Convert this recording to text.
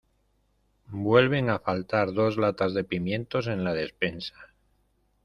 vuelven a faltar dos latas de pimientos en la despensa.